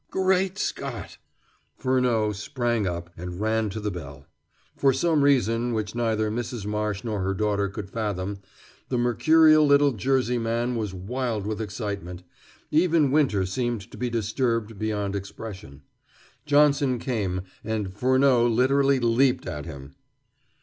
"Great Scott!" Furneaux sprang up, and ran to the bell. For some reason which neither Mrs. Marsh nor her daughter could fathom, the mercurial little Jersey man was wild with excitement; even Winter seemed to be disturbed beyond expression. Johnson came, and Furneaux literally leaped at him.